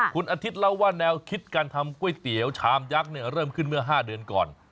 คุณอาทิตย์เล่าว่าแนวคิดการทำก๋วยเตี๋ยวชามยักษ์เริ่มขึ้นเมื่อ๕เดือนก่อน